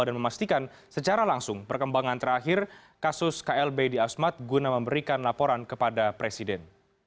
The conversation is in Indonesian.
dan memastikan secara langsung perkembangan terakhir kasus klb di asmat guna memberikan laporan kepada presiden